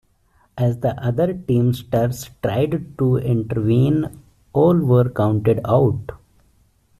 As the other Teamsters tried to intervene, all were counted out.